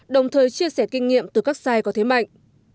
đồng thời chia sẻ kinh nghiệm từ các sai có thế mạnh